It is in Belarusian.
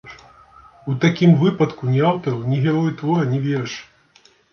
У такім выпадку ні аўтару, ні герою твора не верыш.